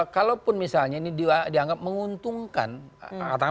kalaupun misalnya ini dianggap menguntungkan